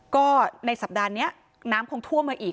ก็ในสัปดาห์นี้น้ำคงท่วมมาอีก